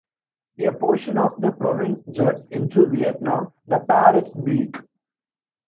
A portion of the province juts into Vietnam, the "Parrot's Beak".